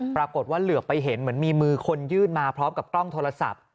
ปรากฏว่าเหลือไปเห็นเหมือนมีมือคนยื่นมาพร้อมกับกล้องโทรศัพท์